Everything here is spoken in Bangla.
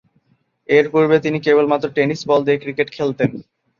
এরপূর্বে তিনি কেবলমাত্র টেনিস বল দিয়ে ক্রিকেট খেলতেন।